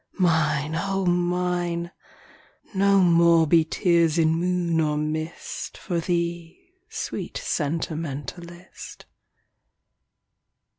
Mine, O Mine ! No more be tears in moon or mist For thee, sweet sentimentalist.